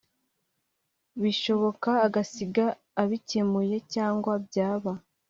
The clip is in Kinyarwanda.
Bishoboka agasiga abikemuye cyangwa byaba